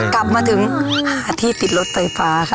กลับมาถึงที่ติดรถไฟฟ้า